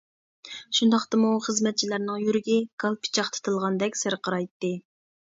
شۇنداقتىمۇ خىزمەتچىلەرنىڭ يۈرىكى گال پىچاقتا تىلغاندەك سىرقىرايتتى.